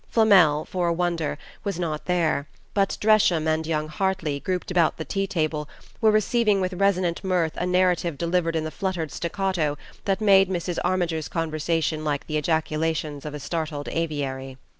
Flamel, for a wonder, was not there; but Dresham and young Hartly, grouped about the tea table, were receiving with resonant mirth a narrative delivered in the fluttered staccato that made Mrs. Armiger's conversation like the ejaculations of a startled aviary.